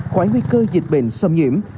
khói nguy cơ dịch bệnh xâm nhiễm